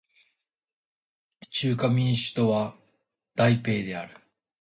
中華民国の首都は台北である